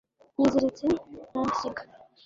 yiziritse mu nsinga